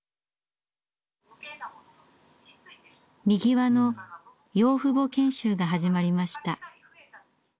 みぎわの養父母研修が始まりました。